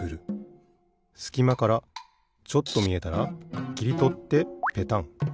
すきまからちょっとみえたらきりとってペタン。